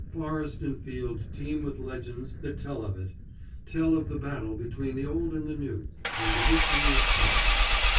Forest and field teem with legends that tell of it; tell of the battle between the old and the new, and the victory of peace.